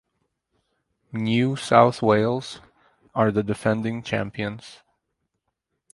New South Wales are the defending champions.